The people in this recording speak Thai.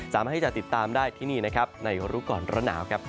สามารถที่จะติดตามได้ที่นี่นะครับในรู้ก่อนร้อนหนาวครับ